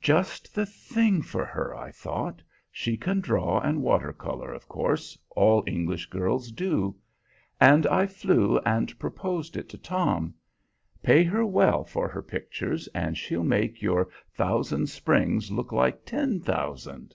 "Just the thing for her," I thought. "She can draw and water color, of course; all English girls do." And I flew and proposed it to Tom. "Pay her well for her pictures, and she'll make your Thousand Springs look like Ten Thousand."